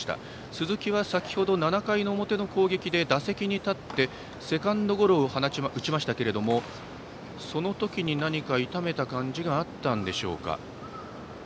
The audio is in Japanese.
鈴木は先程７回表の攻撃で打席に立ってセカンドゴロを打ちましたけどもその時に、何か痛めた感じがあったんでしょうか。